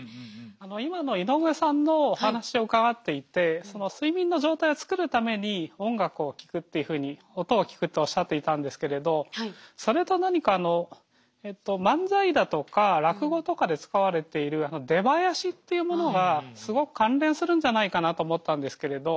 今の井上さんのお話を伺っていてその睡眠の状態を作るために音楽を聴くっていうふうに音を聴くっておっしゃっていたんですけれどそれと何か漫才だとか落語とかで使われている出囃子っていうものがすごく関連するんじゃないかなと思ったんですけれど。